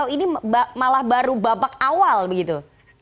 ini malah baru babak awal begitu